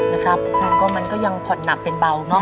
นะครับก็มันก็ยังผ่อนหนักเป็นเบาเนอะ